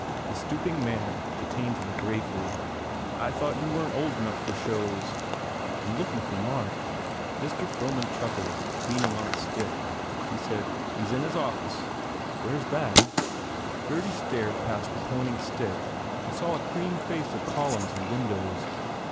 The stooping man detained him gravely. "I thought you weren t old enough for shows." "I m looking for Mark." Mr. Frohman chuckled, leaning on a stick. He said, "He s in his office." "Where s that?" Gurdy stared past the pointing stick and saw a cream face of columns and windows.